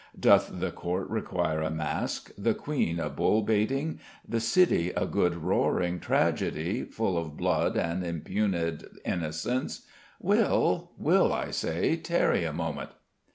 Doth the Court require a masque, the Queen a bull baiting, the City a good roaring tragedy, full of blood and impugned innocence Will! Will, I say! Tarry a moment!"